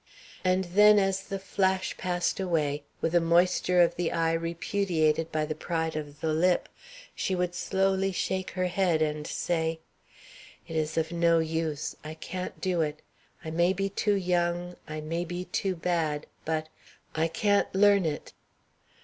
And then as the flash passed away, with a moisture of the eye repudiated by the pride of the lip, she would slowly shake her head and say: "It is of no use; I can't do it! I may be too young I may be too bad, but I can't learn it!"